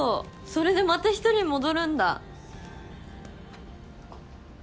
それでまた１人に戻るんだ？